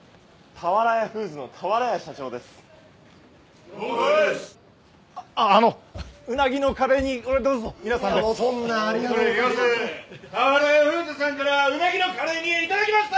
俵屋フーズさんからウナギのカレー煮頂きました！